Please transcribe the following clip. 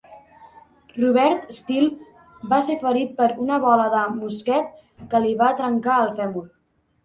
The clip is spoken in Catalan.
Robert Stell va ser ferit per una bola de mosquet que li va trencar el fèmur.